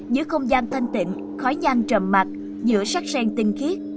giữa không gian thanh tịnh khói nhan trầm mặt giữa sắc sen tinh khiết